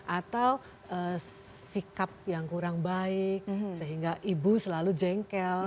atau sikap yang kurang baik sehingga ibu selalu jengkel